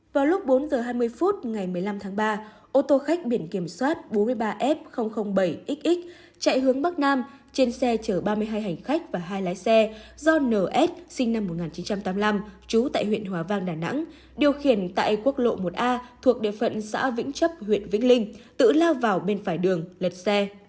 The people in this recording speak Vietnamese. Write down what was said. vào lúc bốn h hai mươi phút ngày một mươi năm tháng ba ô tô khách biển kiểm soát bốn mươi ba f bảy xx chạy hướng bắc nam trên xe chở ba mươi hai hành khách và hai lái xe do ns sinh năm một nghìn chín trăm tám mươi năm trú tại huyện hòa vang đà nẵng điều khiển tại quốc lộ một a thuộc địa phận xã vĩnh chấp huyện vĩnh linh tự lao vào bên phải đường lật xe